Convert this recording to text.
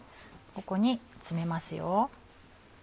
ここに詰めますよ。